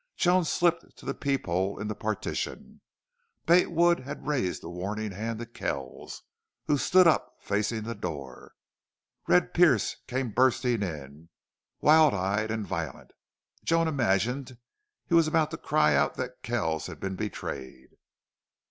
Joan slipped to the peephole in the partition. Bate Wood had raised a warning hand to Kells, who stood up, facing the door. Red Pearce came bursting in, wild eyed and violent. Joan imagined he was about to cry out that Kells had been betrayed.